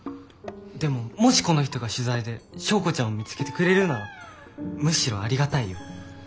でももしこの人が取材で昭子ちゃんを見つけてくれるならむしろありがたいよ。